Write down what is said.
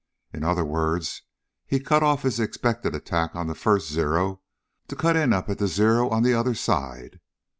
In other words he cut off his expected attack on the first Zero to cut in up at the Zero on the other side.